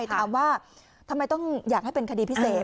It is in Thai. ถามว่าทำไมต้องอยากให้เป็นคดีพิเศษ